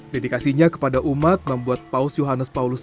dedikasinya kepada umat membuat paus yohanes paulus